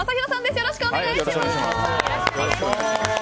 よろしくお願いします。